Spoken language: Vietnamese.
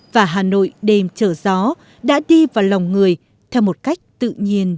và hà nội đêm chở gió đã đi vào lòng người theo một cách tự nhiên